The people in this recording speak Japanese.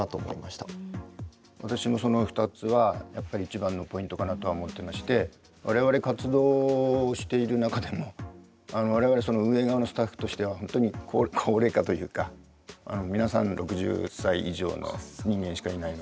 私もその２つはやっぱり一番のポイントかなとは思ってまして我々活動している中でも我々運営側のスタッフとしては本当に高齢化というか皆さん６０歳以上の人間しかいないので。